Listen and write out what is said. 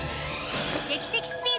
劇的スピード！